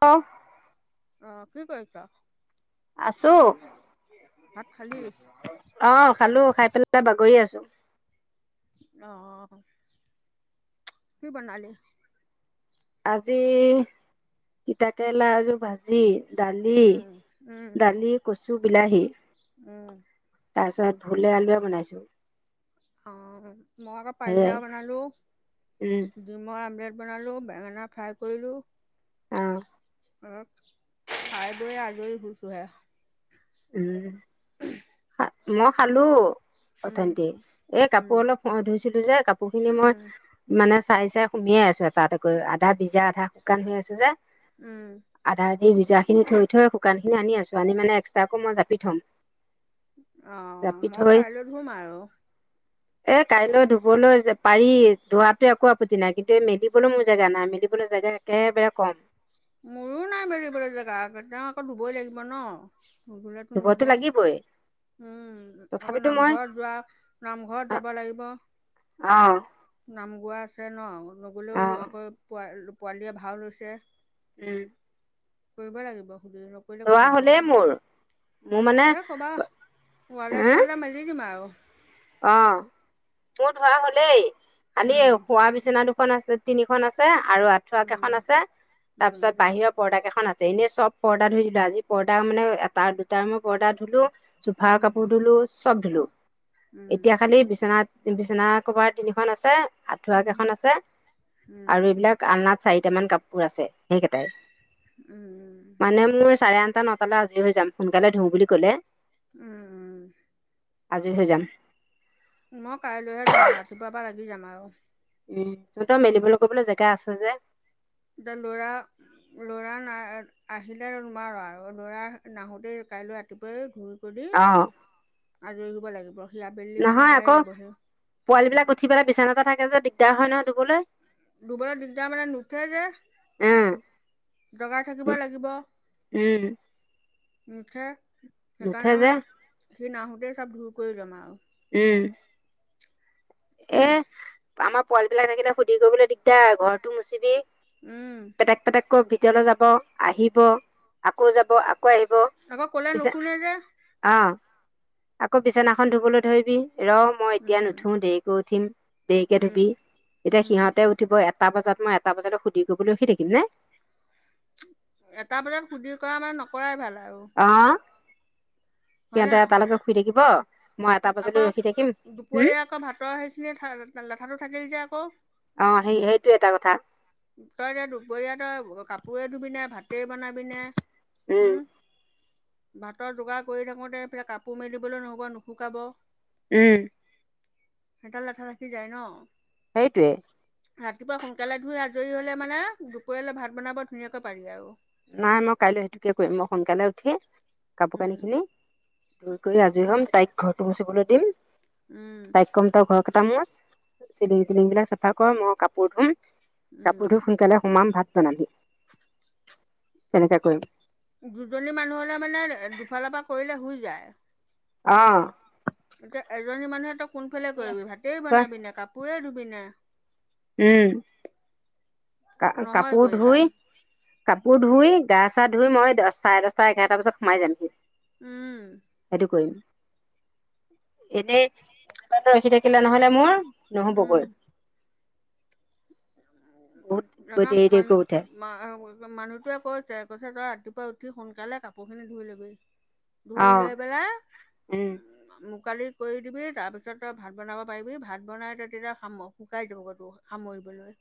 অ'! অ'! কি কৰিছা? আছোঁ। ভাত খালি? অ'! খালোঁ, খাই পেলাই বাগৰি আছোঁ। অ' অ'! কি বনালি? আজি, তিতাকেৰেলা, আলু ভাজি, দালি, উম উম দালি, কচু, বিলাহী। উম। তাৰপিছত, ভোলে, আলুয়ে বনাইছোঁ। অ'! মই আকৌ পানী সেয়াই লাও বনালো। উম ডিমৰ আমলেট বনালোঁ, বেঙেনা ফ্ৰাই কৰিলোঁ। অ', অ' খাই-বই আজৰি হৈছোঁহে। উম। মই খালোঁ। উম অথনিতে। এই, উম কাপোৰ অলপ ধুইছিলোঁ যে, কাপোৰ খিনি মই, উম মানে, চাই-চাই সোমিয়াই আছোঁ, এটা-এটাকৈ। আধা ভিজা-আধা শুকান হৈ আছে, যে। উম। আধা-আধি ভিজাখিনি থৈ-থৈ, শুকানখিনি আনি আছোঁ, আনি মানে, এক্সট্ৰাকে মই জাপি থ'ম। অ'! জাপি মই থৈ কাইলৈ ধুম আৰু। [inaudible] এ, কাইলৈ ধুবলৈ পাৰি, ধোৱাতো একো আপত্তি নাই। কিন্তু এই, মেলিবলৈ মোৰ জেগা নাই, মেলিবলৈ জেগা একেবাৰে কম। মোৰো নাই মেলিবলে জেগা, তেওঁ আকৌ ধুবই লাগিব ন'। নুধুলেতো ধুবতো নহ'ব। লাগিবই উম আকৌ তথাপিতো মই নামঘৰত যোৱা নামঘৰত যাব লাগিব। অঁ নাম গোৱা আছে ন নগ'লেও অ আকৌ প পোৱালীয়ে ভাও লৈছে। উম কৰিব লাগিব সুধ নকৰিলে ধোৱা ক'ত হ'লেই মোৰ মোৰ মানে হ'ব এ ক'বা ৱালে হা চোৱালে মাৰিম। মেলি দিম আৰু অ মোৰ ধুৱা হ'লেই খালি এই উম শুৱা বিচনাটো দু খন আছে তিনিখন আছে আৰু আঠুৱা উম কেইখন আছে উম তাৰপিছত বাহিৰৰ পৰ্দা কেইখন আছে এনেই চব পৰ্দা ধুই দিলো আজি পৰ্দা মানে এটা দুটাৰ মই পৰ্দা ধুলো। চোফাৰ উম কাপোৰ ধুলো চব ধুলো। এতিয়া উম খালি বিচনাত বিচনা কভাৰ তিনিখন আছে। আঠুৱা কেইখন আছে উম আৰু এইবিলাক আলনাত চাৰিটামান কাপোৰ আছে সেই কেইটাই। উম উম। মানে মোৰ চাৰে আঠটা নটালৈ আজৰি হৈ যাম সোনকালে ধুও বুলি ক'লে, উম আজৰি হৈ যাম। মই কাইলৈহে ধুম আৰু ৰাতিপুৱাৰ পৰা লাগি যাম আৰু উম তহত মেলিবলৈ কৰিবলৈ জেগা আছে যে। দ লৰা ল'ৰা না আহিলে নোৱাৰোঁ আৰু ল'ৰা নাহোঁতেই কাইলৈ ৰাতিপুৱাই ঘূই, কৰি অ আজৰি হব লাগিব। সি আবেলি মানে নহয় পায়ে আকৌ যাবহি পোৱালি বিলাক উঠি পেলাই বিচানাতে থাকে যে দিগ দাৰ হয় ন ধুবলৈ। ধুবলৈ দিগদাৰ মানে নুঠে যে উম জগাই থাকিব লাগিব। উম নুঠে নুঠে সেইকাৰণে যে মানে সি নাহোতে চব দূৰ কৰি লম আৰু, উম এ আমাৰ পোৱালি বিলাক থাকিলে সুধি কৰিবলৈ দিগদাৰ ঘৰটো মুচিবি, উম পেটেক পেটেক কৈ ভিতলৈ যাব আহিব। আকৌ যাব আকৌ আহিব আকৌ ক'লে পিছে নুশুনে যে অ আকৌ বিছনাখন ধুবলৈ ধৰিবি ৰম মই এতিয়া নুঠো দেৰিকৈ উঠিম দেৰিকে ধুবি এতিয়া সিহতে উঠিব এটা বজাত মই এটা বজালৈ সুধি কৰিবলৈ ৰখি থাকিম নে। এটা বজাত সুদিৰ কৰা মানে নকৰাই ভাল আৰু, অঁ হয়নে সিহঁতে নহয় এতালৈকে শুই থাকিব। মই এটা বজালৈ আকৌ ৰখি থাকিম হম দুপৰীয়া আকৌ ভাতৰ সেইখিনি লে লেঠাটো থাকেই যে আকৌ। অ সেই সেইটো এটা কথা। তই এতিয়া দুপৰীয়া তই কাপোৰেই ধুবিনে ভাতেই বনাবিনে। উম ভাতৰ যোগাৰ কৰি থাকোঁতে এইফালে কাপোৰ মেলিবলৈ নহ'ব নুশুকাব। উম সেডাল লেঠা থাকি যায় ন। সেইটোৱে। ৰাতিপুৱা সোনকালে ধুই আজৰি হ'লে মানে দুপৰীয়ালৈ ভাত বনাব ধুনীয়াকৈ পাৰি আৰু নাই মই কাইলৈ সেইটোকে কৰিম মই সোনকালে উঠি কাপোৰ কানি উম খিনি ধুই কৰি আজৰি হ'ম তাইক ঘৰটো মুচিবলৈ দিম উম তাইক কম তই ঘৰ কঠা মুচ চিলিং টিলিং বিলাক চাফা কৰ মই কাপোৰ ধুম কাপোৰ ধুই উম সোনকালে সুমাম ভাত বনাবি তেনেকা কয় দুজনী মানুহ হলেমানে দুফালৰ পৰা কৰিলে হৈ যায় অ এতিয়া এজনী মানুহে তই কোনফালে কৰিবি কি ভাতেই কয় বনাবিনে কাপোৰেই ধুবি না উম কা কাপোৰ নহয়গৈ কাম ধুই কাপোৰ ধুই গা-চা ধুই মই দহ চাৰে দহটা এঘাৰটা বজাত সোমাই যামহি উম সেইটো কৰিম এনেই ৰখি থাকিলে নহলে মোৰ উম নহবগৈ বহুত ৰগাম দেৰি মান দেৰিকৈ উঠে মা মানুহটোৱে কৈছে কৈছে তই ৰাতিপুৱা উঠি সোনকালে কাপোৰখিনি ধুই লবি অ ধুই লৈ পেলাই উম মুকালি কৰি দিবি তাৰ পিছত তই ভাত বনাব পাৰিবি ভাত বনাই তেতিয়া খামবাও শুকাই দিবতো সামৰিবলৈ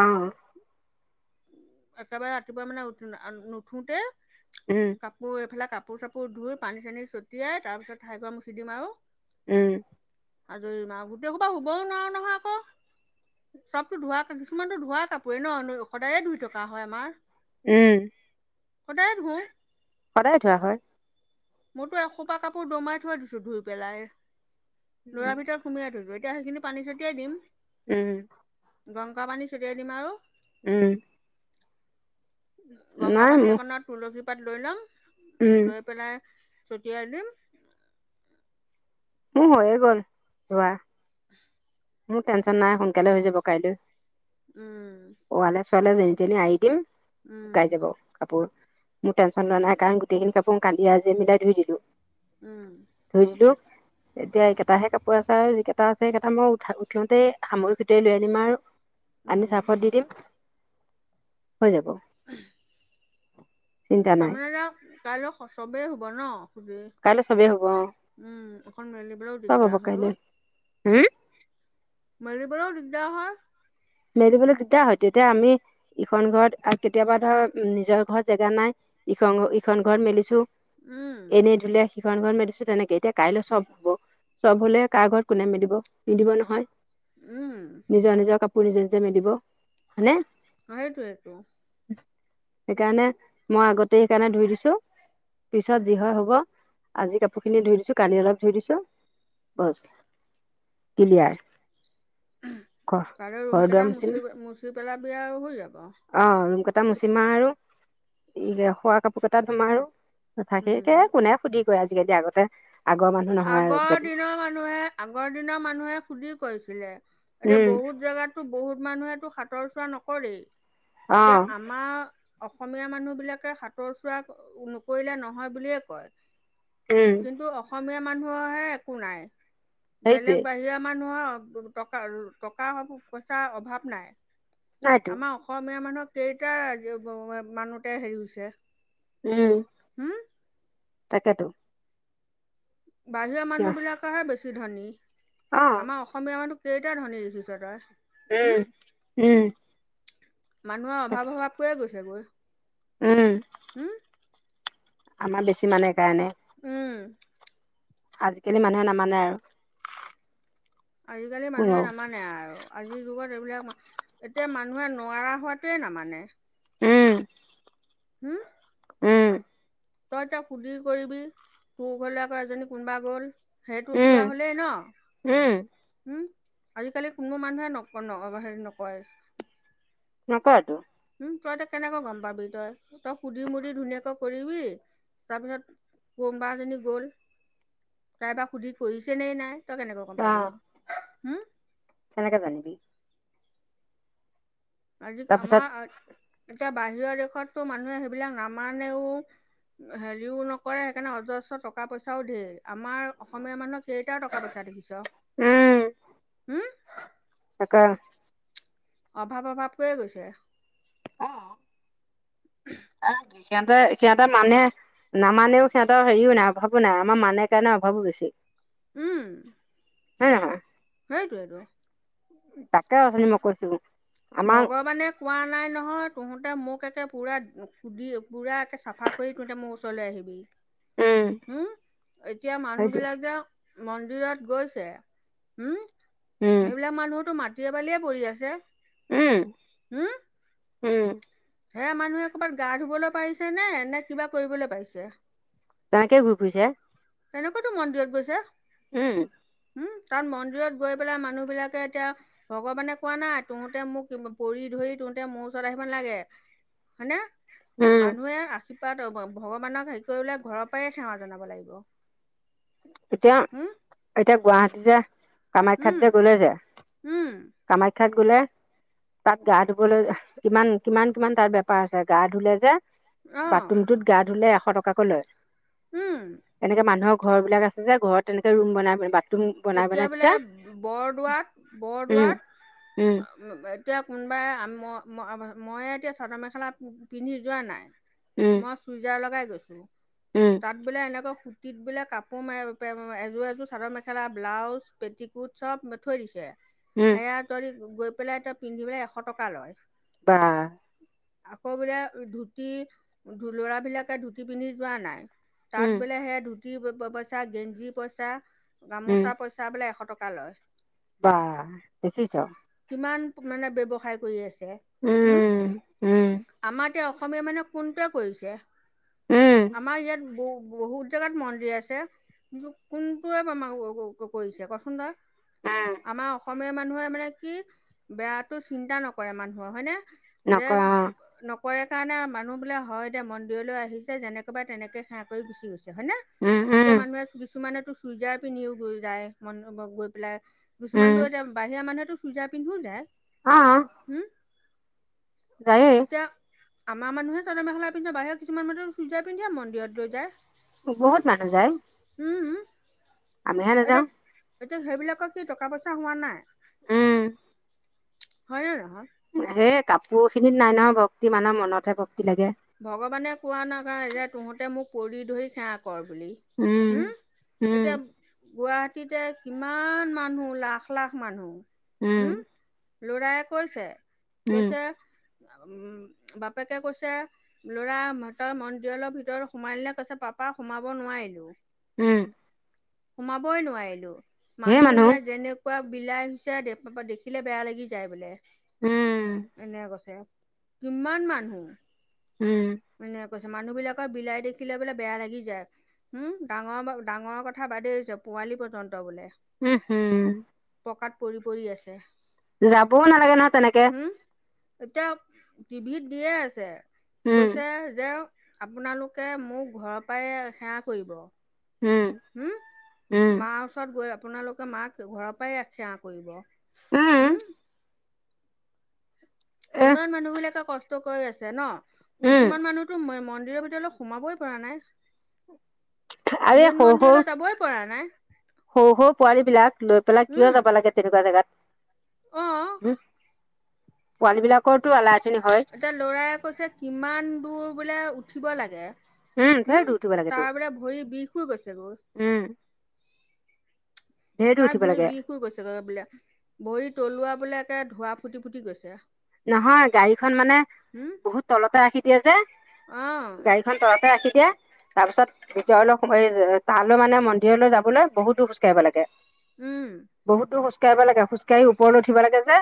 অ একেবাৰে ৰাতিপুৱা মানে উঠ নুঠোতে উম মোৰ এফালে কাপোৰ চাপোৰ ধুই পানী চানী ছটিয়াই তাৰপিছত ঠাইকোৱা মুচি দিম আও উম আজৰিম আৱ গোটেইখোপা শুবও নোৱাৰ নহয় আকৌ। চবতো ধোৱা কিছুমানতো ধোৱাই কাপোৰ ন সদায়ে ধুই থকা হয় আমাৰ। উম সদায়ে ধু সদায় ধোৱা হয়। মোৰতো এসোপা কাপোৰ দমাই থৈ দিছো ধুই পেলাই। উম ল'ৰা ভিতৰত সুমিয়াই থৈছো, এতিয়া সেইখিনি পানী চটিয়াই দিম। উম গংকা পানী ছটিয়াই দিম আৰু উম গংগা নাই পানী মোৰ অকণত তুলসী পাত লৈ ল'ম, উম লৈ পেলাই ছটিয়াই দিম। মোৰ হৈয়ে গ'ল ধোৱা। [inaudible] মোৰ টেনশ্যন নাই, সোনকালে হৈ যাব কাইলৈ। উম ওৱালে চোৱালে যেনি তেনিয়ে আৰি দিম উম শুকাই যাব কাপোৰ। মোৰ টেনচন লোৱা নাই কাৰণ গোটেইখিনি কাপোৰ কালিয়ে আজিয়ে মিলাই ধুই দিলো। উম ধুই দিলো এতিয়া এইকেইটাহে কাপোৰ আছে আৰু যিকেটা আছে সেকেটা মও সিঁহতে সামৰি সুতৰি লৈ আনিম আৰু আনি উম চাৰ্ফত দি দিম। হৈ যাব। চিন্তা নাই তাৰমানে যে কাইলে চবেই শুব ন? কাইলৈ চবেই হ'ব অঁ উম, অকন মেলিবলৈও চব হ'ব দিগদাৰ হয় কাইলৈ হম অ'। মেলিবলও দিগদাৰ হয়। মেলিবলৈ দিগদাৰ হয়টো। এতিয়া আমি ইখন ঘৰত কেতিয়াবা ধৰ নিজৰ ঘৰত জেগা নাই ইখন ইখন ঘৰত মেলিছো। উম এনেই ধুলে সিখন ঘৰত মেলি দিছো তেনেকে এতিয়া কাইলৈ চব ধুব। চব হ'লে কাৰ ঘৰত কোনে মেলিব নিদিব নহয়। উম। নিজৰ নিজৰ কাপোৰ নিজে নিজে মেলিব। হয়নে? সেইটোৱেইটো। সেইকাৰণে মই আগতে সেইকাৰণে ধুই দিছো। পিছত যি হয় হ'ব, আজি কাপোৰ খিনি ধুই দিছো কালিৰ অলপ ধুই দিছো। বছ ক্লিয়াৰ ক'! কাইলৈ ৰুম কেইটা মুচি মুচি পেলাবি আৰু, হৈ যাব। অ' ৰুম কেইটা মচিম আৰু ই শোৱা কাপোৰ কেইটা ধুম আৰু। উম [unintelligible] কোনে সুধি কৰে আজিকালি, আগতে আগৰ মানুহ নহয় আৰু আগৰ আজিকালি। দিনৰ মানুহে আগৰ দিনৰ মানুহে সুধিৰ কৰিছিলে। এতিয়া উম বহুত জেগাত তোক বহুত মানুহে তোক সাতৰ চোৱা নকৰেই। এতিয়া অ' আ আমাৰ অসমীয়া মানুহ বিলাকে সাতৰ চোৱা নকৰিলে নহয় বুলিয়ে কৰে। উম'। কিন্তু অসমীয়া মানুহৰহে একো নাই। সেইটোৱে বেলেগ বাহিৰা মানুহৰ টকাৰ টকা-পইচাৰ অভাৱ নাই। নাইতো আমাৰ অস অসমীয়া মানুহক কেইটা মানুতে হেৰি হৈছে? উম, হম তাকেতো! বাহিৰৰ কিয় মানুহবিলাকেহে বেছি ধনী। অ' আমাৰ অসম অসমীয়া মানুহ কেইটা ধনী দেখিছ তই? হম এই উম! মানুহৰ তাকে অভাৱ অভাৱ কৈয়ে গৈছেগৈ। উম'। হুম? আমাৰ বেছি মানে সেইকাৰণে। উম'। আজিকালি মানুহে নামানে আৰু। আজিকালি মানুহে কোনো নামানে আৰু। আজিৰ যুগত এইবিলাক এতিয়া মানুহে নোৱাৰা হোৱাটোৱেই নামানে। উম'। হুম'? উম'। তই এতিয়া সুধি কৰিবি তোৰ ঘৰলৈ আকৌ এজনী কোনোবা গ'ল সেইটো উম চোৱা হ'লেই ন'। উম'। হুম, আজিকালি কোনো মানুহে নক হেৰি নকৰে। নকয়টো। উম, তই এতিয়া কেনেকৈ গম পাবি তই সুধি মুধি ধুনীয়াকৈ কৰিবি তাৰপিছত কোনবা এজনী গ'ল। তাই বা সুধি কৰিছেনেই নাই তই কেনেকৈ গম পাবি। অ' হম? কেনেকে জানিবি? আজি তাৰপিছত আমাৰ এতিয়া বাহিৰৰ দেশতটো মানুহে সেইবিলাক নামানেও হেৰিও নকৰে সেইকাৰণে অজস্ৰ টকা পইচাও ধেৰ আমাৰ অসমীয়া মানুহৰ কেইটা টকা পইচা দেখিছ? উম তাকে। অভাৱ অভাৱ কৈয়ে গৈছে। অ। আহ সিহঁতে সিহঁতে মানে নামানেও সিহঁতৰ হেৰিও নাই অভাৱো নাই আমাৰ মানে কাৰণে অভাৱো বেছি। উম। হয় নহয়? সেইটোৱেটো। তাকে অথনি মই কৈছিলো। ভগৱানে কোৱা নাই নহয় তহঁতে মোক একে পুৰা দি পুৰা একে চাফা কৰি তোহঁতে মোৰ ওচ ৰলে আহিবি উম হুম এতিয়া মানুহ সেইটোৱে বিলাক যে মন্দিৰত গৈছে হোম উম সেইবিলাক মানুহতো মা টিয়ে বালিয়ে পৰি আছে। উম। হুম? উম। সেয়া মানুহে ক'ৰবাত গা ধুবলৈ পাৰিছে নে, নে কিবা কৰিবলৈ পাৰিছে। তাকে ঘুৰি ফুৰিছে। তেনেকৈটো মন্দিৰত গৈছে। উম। উম তাত মন্দিৰত গৈ পেলাই মানুহ বিলাকে এতিয়া ভগৱানে কোৱা নাই তহঁতে মোক পৰি ধৰি তহঁতে মোৰ ওচৰত আহিব নালাগে। হয় নে? উম মানুহে আশীৰ্বাদ ভগৱানক হেৰি কৰিলে ঘৰৰ পৰাই সেৱা জনাব লাগিব। এতিয়া, উম, এতিয়া গুৱাহাটীত যে কামাখ্যাত উম, যে গলে যে। উম। কামাখ্যাত গলে তাত গা ধুবলৈ কিমান কিমান কিমান তাৰ বেপাৰ আছে গা ধুলে যে অ', বাথৰুমটোত গা ধুলে এশ টকাকৈ লয়। উম। এনেকে মানুহৰ ঘৰ বিলাক আছে যে ঘৰত তেনেকে ৰুম বনাই বা এতিয়া বোলে বৰদোৱাত উম উম বৰদোৱাত এতিয়া কোনোবাই ম মই এতিয়া চাদৰ মেখেলা পিন্ধি যোৱা নাই উম মই চুইজাৰ লগাই গৈছো। উম তাত বোলে এনেকৈ সুতিত বোলে কাপোৰ এযোৰ এযোৰ চাদৰ মে খেলা ব্লাউজ পেটিকোট চব থৈ দিছে উম, সেয়াত গৈ পেলাই তই পিন্ধিলে এশ টকা লয়। বাঃ আকৌ বোলে ধুতি ল'ৰাবিলাকে ধুতি পিন্ধি যোৱা নাই তাত উম, বোলে সেয়া ধুতি পইচা গেঞ্জি পইচা উম, গামোচা পইচা চা বোলে এশ টকা লয়। বা দেখিছ? কিমান মানে ব্যৱসায় কৰি আছে? উম। হুম, উম, আমাৰ এতিয়া অসমীয়া মানে কোনটোৱে কৰিছে? উম, আমাৰ ইয়াত বহু বহুত জাগাত মন্দিৰ আছে কিন্তু কোনটোৱে টো আমাৰ ও ও ও কৰিছে কচোন তই? আ। আমাৰ অসমীয়া মানুহে মানে কি বেয়াটো চিন্তা নকৰে মানুহৰ হয়নে? যে নকয় অ', ন কৰে কাৰণে মানুহ বোলে হয় দে মন্দিৰলৈ আহিছে যেনেকৈ বা তেনেকৈ সেৱা কৰি গুচি গৈছে। চে হয় নে উম, উম, এতিয়া মানুহে কিছুমানেতো চুইজাৰ পিন্ধিও গৈ যায় মানুহ ঘ গৈ পেলাই উম, কিছুমানতো এতিয়া বাহিৰা মানুহেটো চুইজাৰ পিন্ধোও যায়। অ হুম যায়েই। এতিয়া আমাৰ মানুহে চাদৰ মেখেলা পিন্ধে বাহিৰৰ কিছুমান মানুহে চুইযাৰ পিন্ধিয়ে মন্দিৰত লৈ যায়। হু বহুত মানুহ যায়। উম উম, আমিহে এতিয়া নাযাওঁ এতিয়া সেইবিলাকৰ কি টকা পইচা হোৱা নাই? উম। হয় নে নহয়? সেই কাপোৰখিনিত নাই ন ভক্তি মানুহৰ মনতহে ভক্তি লাগে। ভগৱানে কোৱা নাই যাই যে তহঁতে মোক কৰি ধৰি সেৱা কৰ বুলি, উম, হুম উম, এতিয়া গুৱাহাটীতে কিমান মানুহ, লাখ লাখ মানুহ, উম, হুম? লৰাই কৈছে উম, কৈছে আ উম বাপেকে কৈছে লৰা মাতা মন্দিৰৰ ভিতৰত সোমাইলে কৈছে পাপা সোমাব নোৱাৰিলো। উম। সোমাবই নোৱাৰিলো, মানুহ ইয়াত যেনে কোৱা বিলাই সুচাই দেখ বা বা দেখিলে বেয়া লাগি যায় বোলে, উম, এনেকে কৈছে। কিমান মানুহ। উম। এনে কৈছে, মানুহবিলাকৰ বিলাই দেখিলে বোলে বেয়া লাগি যায়। হুম, ডাঙৰ বা ডাঙৰ কথা বাদেই দিছো পোৱালি পৰ্যন্ত বোলে। উম হম। পকাত পৰি পৰি আছে। যাবও নালাগে নহয় তেনেকে। হম এতিয়া টিভিত দিয়ে আছে। উম, কৈছে যে আপোনালোকে মোক ঘৰৰ পৰাই সেৱা কৰিব। উম। উম, উম, মা ওচৰত গৈ আপোনালোক ত' মাক ঘৰৰ পৰাই সেৱা কৰিব, উম, হুম। এহ, ইমান মানুহবিলাকে কষ্ট কৰি আছে ন, উম, কিছুমান মানুহ টো মই মন্দিৰৰ ভিতৰলৈ সোমাবই পৰা নাই। আৰে মেন সৰু সৰু মন্দিৰলৈ যাবই পৰা নাই। সৰু সৰু পোৱালীবিলাক লৈ পেলাই কিয় উম যাব লাগে তেনেকুৱা জাগাত অ হুম? পোৱালী বিলাকৰতো আলাই আথানি হয় এতিয়া ল'ৰাই কৈছে কিমান দূৰ বোলে উঠিব লাগে ধেৰ উম দূৰ উঠিব লাগেতো তাৰ বোলে ভৰি বিষ হৈ গৈছে গৈ উম ধেৰ দূৰ তাৰ উঠিব ভৰি লাগে বিষ হৈ গৈছেগৈ বোলে ভৰি তলুৱা বোলে একে ধোৱা ফুটি ফুটি গৈছে নহয় গাড়ীখন মানে উম বহুত তলতে ৰাখি দিয়ে যে অ' গাড়ীখন তলতে ৰাখি দিয়ে তাৰপিছত ভিতৰলৈ সোমায়ো‌ তালৈ মানে মন্দিৰলৈ যাবলৈ বহুত দূৰ খোজ কাঢ়িব লাগে উম বহুত দুৰ খোজ কাঢ়িব লাগে খোজকাঢ়ি ওপৰলৈ উঠিব লাগে যে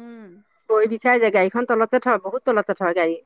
উম ভৰি বিষাই যায় গাড়ীখন তলতে থয় বহুত তলতে থয় গাড়ী